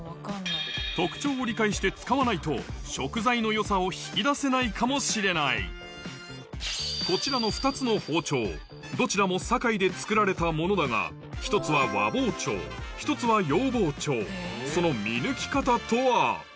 特徴を理解して使わないとかもしれないこちらの２つの包丁どちらも堺で作られたものだが１つは和包丁１つは洋包丁その見抜き方とは？